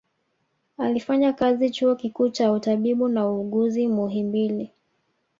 Alifanya kazi chuo kikuu cha utabibu na uuguzi muhimbili